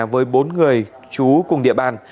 với bốn người chú cùng địa bàn